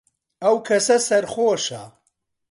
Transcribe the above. ئەو کەسە سەرخۆشە.